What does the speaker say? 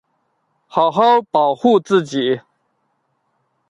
好好保护自己